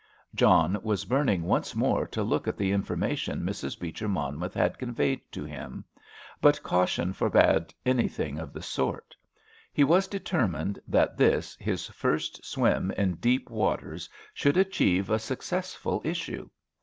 John was burning once more to look at the information Mrs. Beecher Monmouth had conveyed to him. But caution forbade anything of the sort. He was determined that this, his first swim in deep waters, should achieve a successful issue.